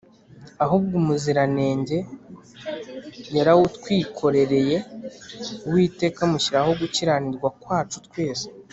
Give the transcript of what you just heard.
ahubwo umuziranenge yarawutwikorereye “uwiteka amushyiraho gukiranirwa kwacu twese”